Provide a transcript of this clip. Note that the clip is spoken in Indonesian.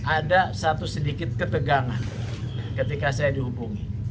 ada satu sedikit ketegangan ketika saya dihubungi